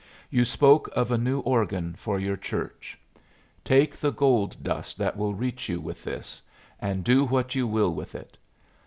You spoke of a new organ for your church. Take the gold dust that will reach you with this, and do what you will with it.